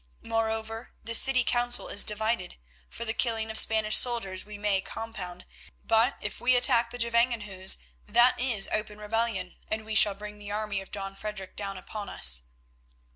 Moreover, the city council is divided. For the killing of the Spanish soldiers we may compound, but if we attack the Gevangenhuis, that is open rebellion, and we shall bring the army of Don Frederic down upon us."